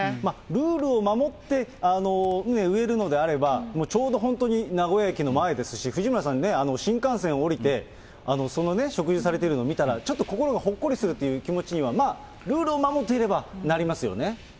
ルールを守って、植えるのであれば、ちょうど本当に名古屋駅の前ですし、藤村さんね、新幹線降りて、その植樹されているのを見たら、ちょっと心がほっこりするっていう気持ちには、ルールをそうなんです。